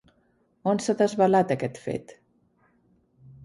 On s'ha desvelat aquest fet?